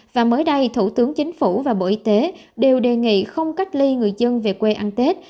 và mới đây thủ tướng chính phủ và bộ y tế đều đề nghị không cách ly người dân về quê ăn tết